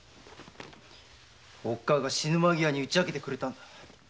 おっかぁが死ぬ間際に打ち明けてくれた。